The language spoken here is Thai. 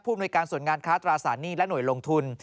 ผู้บริการส่วนงานค้าตราสานี่และหน่วยลงทุน